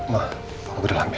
ma aku udah langsung